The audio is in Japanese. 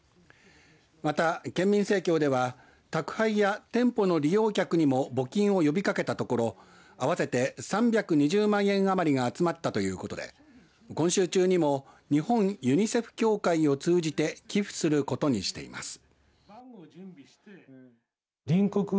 また、県民生協では宅配や店舗の利用客にも募金を呼びかけたところ合わせて３２０万円余りが集まったということで今週中にも日本ユニセフ協会を通じて寄付することにしています。